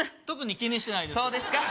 特に気にしてないです